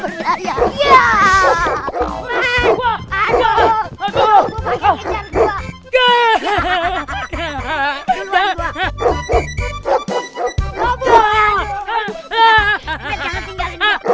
matt jangan tinggalin gue